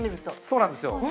そうなんですよ。